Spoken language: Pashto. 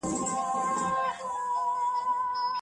ګلالۍ وویل چې سږکال به سابه ډېر ښه خوند ولري.